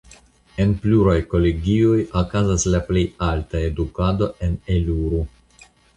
En pluraj kolegioj okazas la plej alta edukado en Eluru.